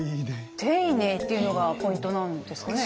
丁寧っていうのがポイントなんですかね？